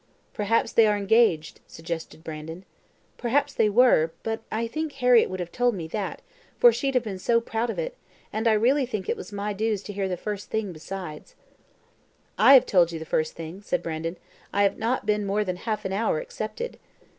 "Perhaps they are engaged," suggested Brandon. "Perhaps they were; but I think Harriett would have told me that, for she'd have been so proud of it, and I really think it was my dues to hear the first thing besides." "I have told you the first thing," said Brandon. "I have not been more than half an hour accepted."